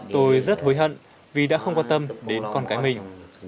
tôi rất hối hận vì đã không quan tâm đến con cái mình